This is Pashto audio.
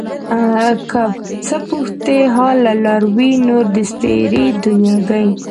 څه پوښتې حال له لاروي نور د سپېرې دنياګۍ